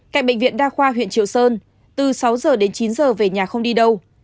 cạnh bệnh viện đa khoa huyện triệu sơn từ sáu giờ đến chín giờ về nhà không đi đâu